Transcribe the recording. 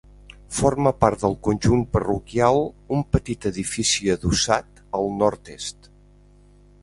Forma part del conjunt parroquial un petit edifici adossat al nord-est.